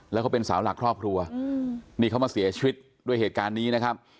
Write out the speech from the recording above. แล้วเขาเป็นสาวหลักครอบครัวนี่เขามาเสียชีวิตด้วยเหตุการณ์นี้นะครับ